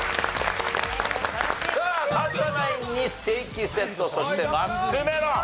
さあ有田ナインにステーキセットそしてマスクメロン。